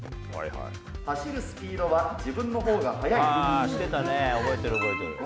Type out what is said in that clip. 走るスピードは自分のほうが速い。